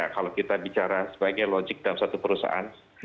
kalau kita bicara sebagai logik dalam satu perusahaan